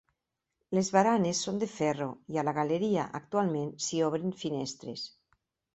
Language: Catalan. Les baranes són de ferro i a la galeria actualment s'hi obren finestres.